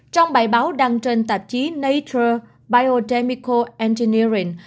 trong bài báo đăng trên tạp chí nature biodemical engineering